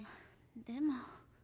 でも。